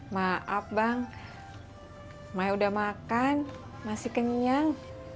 maaf bang maya udah makan masih kenyang